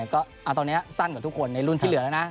ก็ตอนนี้สั้นกว่าทุกคนในรุ่นที่เหลือแล้วนะ